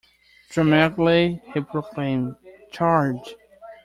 Dramatically he proclaimed, "Charge!".